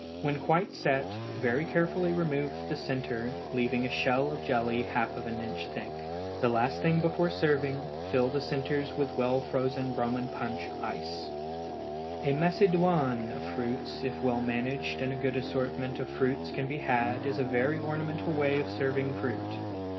When quite set, very carefully remove the centre, leaving a shell of jelly half an inch thick. The last thing before serving fill the centres with well frozen Roman punch ice. A Macédoine of fruits, if well managed and a good assortment of fruits can be had, is a very ornamental way of serving fruit.